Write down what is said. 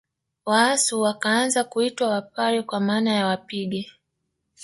Waasu wakaanza kuitwa Wapare kwa maana ya wapige